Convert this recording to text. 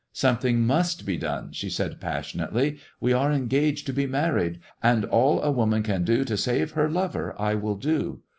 " Something must be done," she said passionately. " We are engaged to be married, and all a woman can do to save her lover I will do.